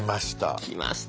きました。